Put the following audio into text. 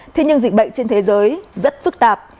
thế nhưng dịch bệnh trên thế giới rất phức tạp